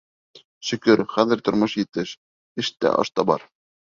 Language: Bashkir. Шөкөр, хәҙер тормош етеш: эш тә, аш та бар.